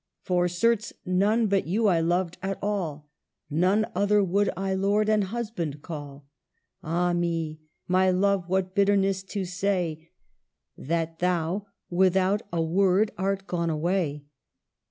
For, certes, none but you I loved at all — None other would I lord and husband call. Ah me ! my love, what bitterness to say That thou without a word art gone away